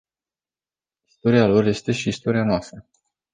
Istoria lor este și istoria noastră.